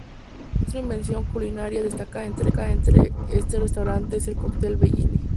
Otra invención culinaria destacada en este restaurante es el cóctel Bellini.